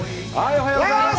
おはようございます。